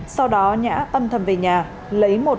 sau đó nhã tâm thầm về nhà lấy một mã tấu